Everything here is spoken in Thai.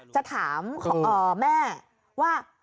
จะถามแม่ว่า